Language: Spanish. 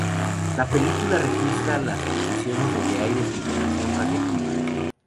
La película registra las posiciones donde hay desintegración radiactiva.